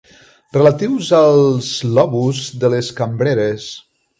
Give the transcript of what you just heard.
Relatius als lobus de les cambreres.